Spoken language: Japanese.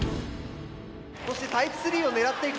そしてタイプ３を狙っていく豊橋。